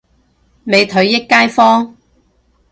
美腿益街坊